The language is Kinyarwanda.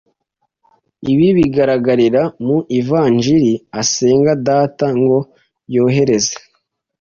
Ibi bigaragarira mu Ivanjili asenga data ngo yohereze